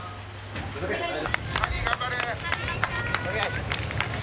ハリー、頑張れ！